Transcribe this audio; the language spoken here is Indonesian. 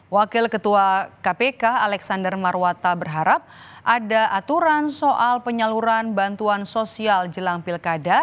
wakil ketua kpk alexander marwata berharap ada aturan soal penyaluran bantuan sosial jelang pilkada